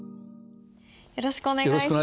よろしくお願いします。